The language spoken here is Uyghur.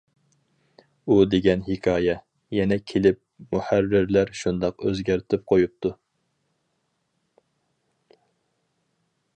ئۇ دېگەن ھېكايە. يەنە كېلىپ مۇھەررىرلەر شۇنداق ئۆزگەرتىپ قويۇپتۇ.